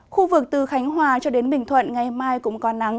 khu vực từ khánh hòa cho đến bình thuận ngày mai cũng có nắng